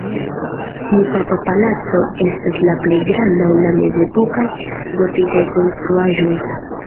Tiu papa palaco estas la plej granda el la mezepokaj gotikaj konstruaĵoj.